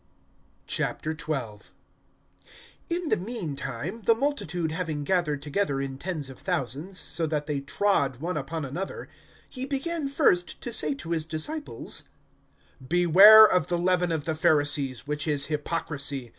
XII. IN the mean time, the multitude having gathered together in tens of thousands, so that they trod one upon another, he began first to say to his disciples: Beware of the leaven of the Pharisees, which is hypocrisy.